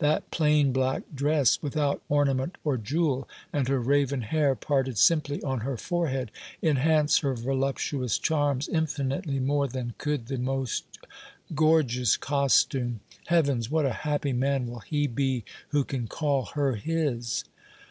That plain black dress, without ornament or jewel, and her raven hair, parted simply on her forehead, enhance her voluptuous charms infinitely more than could the most gorgeous costume. Heavens! what a happy man will he be who can call her his!"